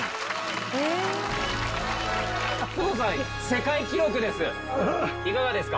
世界記録です